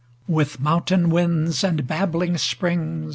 With mountain winds, and babbling springs.